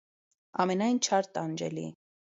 Ամենայն չար տանջելի։